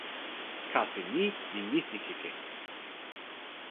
kasi ni li misikeke.